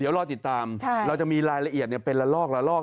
เดี๋ยวรอติดตามเราจะมีรายละเอียดเป็นละลอกละลอก